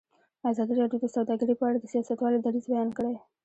ازادي راډیو د سوداګري په اړه د سیاستوالو دریځ بیان کړی.